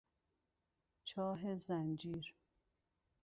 چاه زنجیر